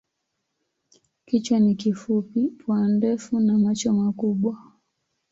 Kichwa ni kifupi, pua ndefu na macho makubwa.